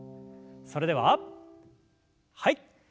それでははい。